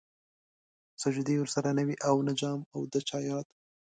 سجدې ورسره نه وې او نه جام او د چا ياد